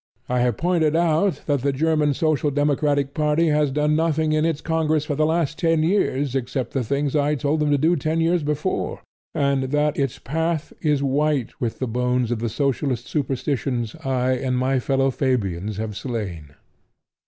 I have pointed out that the German Social Democratic party has done nothing at its Congresses for the last ten years except the things I told them to do ten years before, and that its path is white with the bones of the Socialist superstitions I and my fellow Fabians have slain.